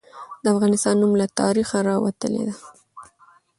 د افغانستان نوم له تاریخه راوتلي ده.